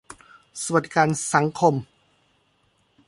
สวัสดิการสังคม